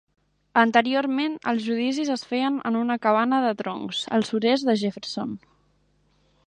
Anteriorment, els judicis es feien en una cabana de troncs al sud-est de Jefferson.